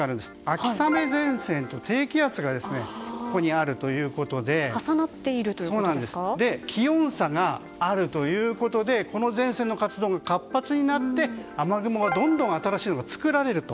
秋雨前線と低気圧がここにあるということで気温差があるということでこの前線の活動が活発になって雨雲がどんどん新しいのが作られると。